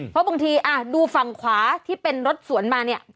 เพราะบางทีดูฝั่งขวาที่เป็นรถสวนมาเนี่ย